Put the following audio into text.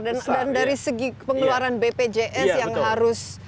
dan dari segi pengeluaran bpjs yang harus